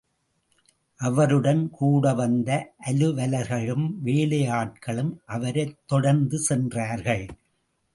அவருடன் கூடவந்த, அலுவலர்களும், வேலையாட்களும் அவரைத் தொடர்ந்து சென்றார்கள்.